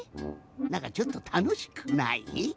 なんかちょっとたのしくない？